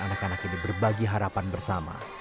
memudahkan puluhan anak anak ini berbagi harapan bersama